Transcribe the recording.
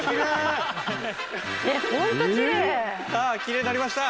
さあきれいになりました。